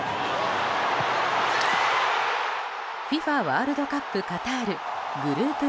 ＦＩＦＡワールドカップカタールグループＧ。